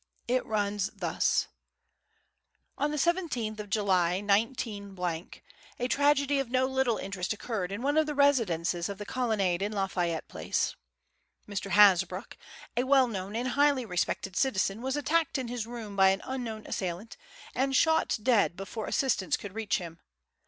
It runs thus: On the 17th of July, 19 , a tragedy of no little interest occurred in one of the residences of the Colonnade in Lafayette Place. Mr. Hasbrouck, a well known and highly respected citizen, was attacked in his room by an unknown assailant, and shot dead before assistance could reach him.